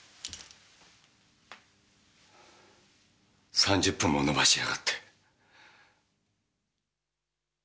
３０分も延ばしやがって。